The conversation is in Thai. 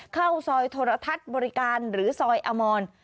เข้าซอยโทรทัศน์บริการหรือซอยอมร